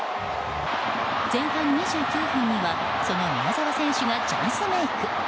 前半２９分にはその宮澤選手がチャンスメイク。